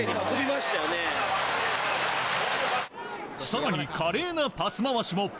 更に、華麗なパス回しも。